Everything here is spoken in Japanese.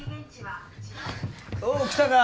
おう来たか。